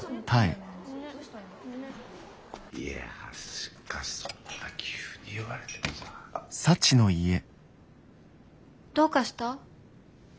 いやしかしそんな急に言われてもさ。どうかした？